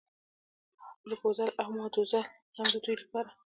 پروپوزل او ماداوزل هم د دوی لپاره.